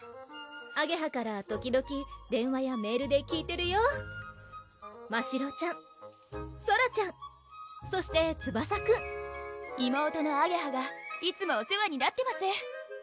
あげはから時々電話やメールで聞いてるよましろちゃんソラちゃんそしてツバサくん妹のあげはがいつもお世話になってます